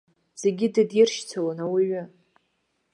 Зегьы дыдиршьцылон ауаҩы.